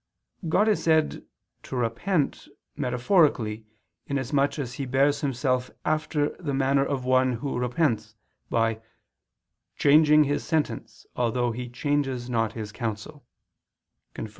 God is said "to repent," metaphorically, inasmuch as He bears Himself after the manner of one who repents, by "changing His sentence, although He changes not His counsel" [*Cf.